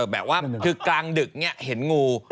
แบบว่าคือกลางดึกเห็นงู